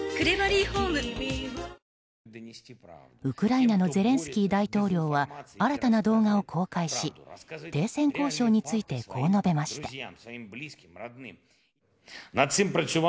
ウクライナのゼレンスキー大統領は新たな動画を公開し停戦交渉についてこう述べました。